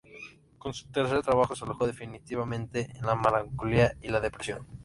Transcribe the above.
Con su tercer trabajo, se alojó definitivamente en la melancolía y la depresión.